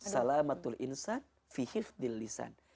salamatul insan fi hifdil lisan